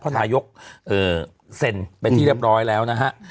นายกเซ็นเป็นที่เรียบร้อยแล้วนะฮะ